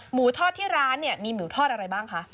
หมูทอดที่ร้านเนี่ยมีหมูทอดอะไรบ้างคะ